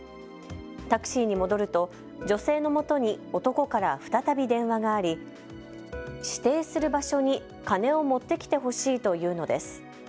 タクシーに戻ると女性のもとに男から再び電話があり指定する場所に金を持ってきてほしいと言うのです。